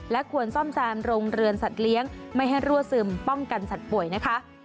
ควรซ่อมแซมโรงเรือนสัตว์เลี้ยงไม่ให้รั่วซึมป้องกันสัตว์ป่วยนะคะ